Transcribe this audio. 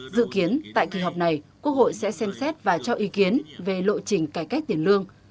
dự kiến tại kỳ họp này quốc hội sẽ xem xét và cho ý kiến về lộ trình cải cách tiền lương